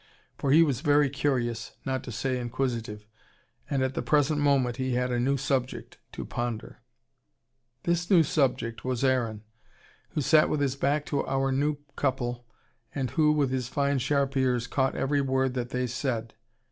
For he was very curious, not to say inquisitive. And at the present moment he had a new subject to ponder. This new subject was Aaron, who sat with his back to our new couple, and who, with his fine sharp ears, caught every word that they said.